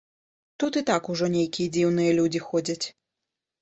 Тут і так ужо нейкія дзіўныя людзі ходзяць.